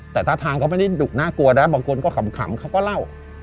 แต่ท่าทางเขาไม่ได้ดุน่ากลัวนะบางคนก็ขำเขาก็เล่า